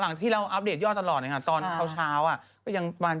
ตอนที่เราอัปเดตยอดตลอดนี่ค่ะตอนข้าวอ่ะก็ยังบาน๗๕๐๐